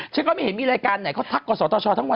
ฉันก็ไม่เห็นมีรายการไหนเขาทักกับสตชทั้งวัน